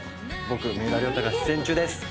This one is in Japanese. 僕三浦太が出演中です！